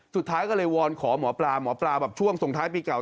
สุดท้ายก็เลยวอนขอหมอปลาหมอปลาแบบช่วงส่งท้ายปีเก่า